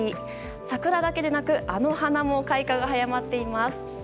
桜だけでなくあの花も開花が早まっています。